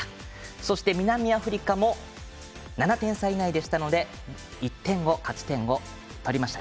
そして南アフリカも７点差以内でしたので１点を勝ち点、取りました。